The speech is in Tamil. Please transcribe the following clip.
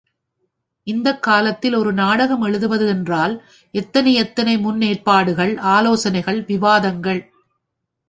இந்தக் காலத்தில் ஒரு நாடகம் எழுதுவது என்றால் எத்தனை எத்தனை முன் ஏற்பாடுகள் ஆலோசனைகள் விவாதங்கள்.